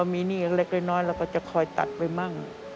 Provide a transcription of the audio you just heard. มีหนี้เล็กน้อยเราก็จะคอยตัดไปมั่ง